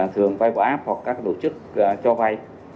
thường vay qua app hoặc các tổ chức cho vay